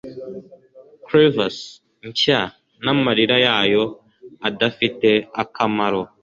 crevasse nshya n'amarira yayo adafite akamaro